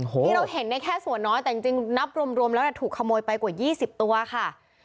นี่เราเห็นได้แค่ส่วนน้อยแต่จริงนับรวมแล้วถูกขโมยไปกว่า๒๐ตัวค่ะ